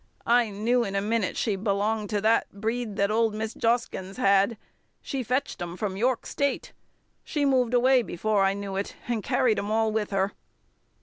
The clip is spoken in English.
I knew in a minute she belonged to that breed that old Mis' Joskins had; she fetched 'em from York State. She moved away before I knew it, and carried 'em all with her."